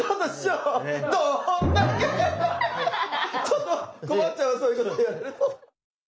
ちょっと困っちゃうわそういうこと言われると。